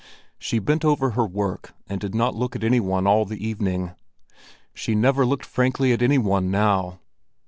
She bent over her work and did not look at any one all the evening. She never looked frankly at any one now.